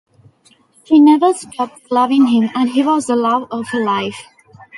She never stopped loving him, and he was the 'love of her life'.